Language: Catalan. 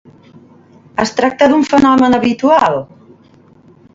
Es tracta d'un fenomen habitual?